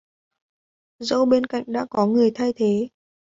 Dẫu bên cạnh đã có người thay thế